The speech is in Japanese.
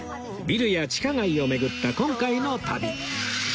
ビルや地下街を巡った今回の旅